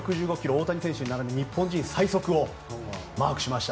大谷選手に並ぶ日本人最速をマークしました。